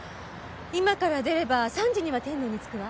今から出れば３時には天童に着くわ。